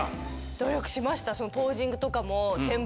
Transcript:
努力しました。